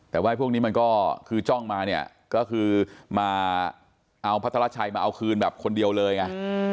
แต่ว่าพวกนี้มันก็คือจ้องมาเนี่ยก็คือมาเอาพัทรชัยมาเอาคืนแบบคนเดียวเลยไง